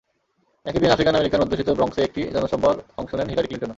একই দিন আফ্রিকান-আমেরিকান অধ্যুষিত ব্রঙ্কসে একটি জনসভায় অংশ নেন হিলারি ক্লিনটনও।